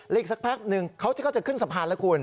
อีกสักพักหนึ่งเขาก็จะขึ้นสะพานแล้วคุณ